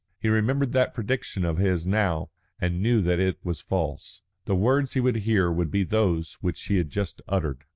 He remembered that prediction of his now and knew that it was false. The words he would hear would be those which she had just uttered.